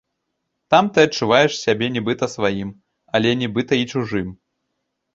Там ты адчуваеш сябе нібыта сваім, але нібыта і чужым.